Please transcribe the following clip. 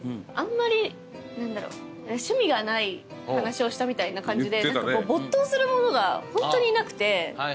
あんまり趣味がない話をしたみたいな感じで没頭するものがホントになくて。